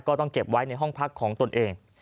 ก็ต้องเก็บไว้ในห้องพักของตนเอง